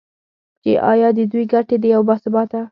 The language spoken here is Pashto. چې ایا د دوی ګټې د یو با ثباته